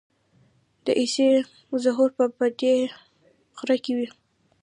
د عیسی ظهور به په همدې غره کې وي.